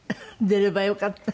出ればよかった。